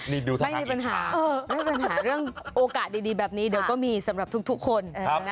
ไม่มีปัญหาไม่มีปัญหาเรื่องโอกาสดีแบบนี้เดี๋ยวก็มีสำหรับทุกคน